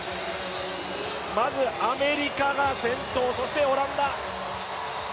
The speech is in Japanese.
まずアメリカが先頭、そしてオランダ。